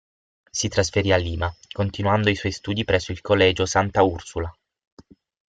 Si trasferì a Lima, continuando i suoi studi presso il Colegio Santa Úrsula.